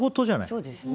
そうですね。